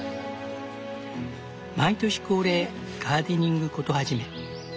毎年恒例ガーデニング事始め。